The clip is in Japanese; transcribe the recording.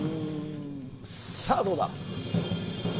さあ、どうだ。